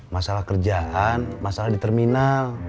masalah kerjaan masalah di terminal